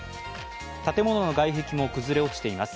建物の外壁も崩れ落ちています。